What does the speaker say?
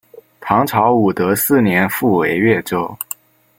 唐朝武德四年复为越州。